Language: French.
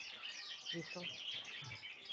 J’ai faim.